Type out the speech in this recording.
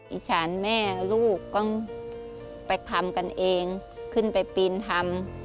อิจฉานแม่ลูกต้องไปทำกันเองขึ้นไปปีนทำ